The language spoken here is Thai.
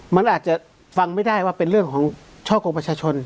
มันอาจจะฟังไม่ได้ว่าเป็นเรื่องของช่อกงประชาชน